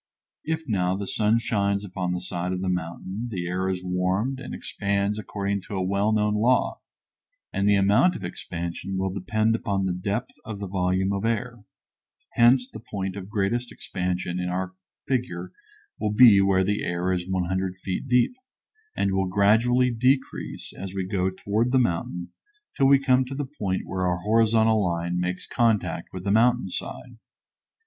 If now the sun shines upon the side of the mountain the air is warmed and expands according to a well known law, and the amount of expansion will depend upon the depth of the volume of air; hence the point of greatest expansion in our figure will be where the air is 100 feet deep, and will gradually decrease as we go toward the mountain till we come to the point where our horizontal line makes contact with the mountain side.